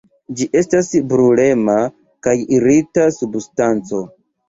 Ĝi estas brulema kaj irita substanco.